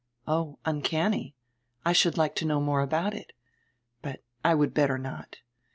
"Oh, uncanny? I should like to know more about it. But I would better not.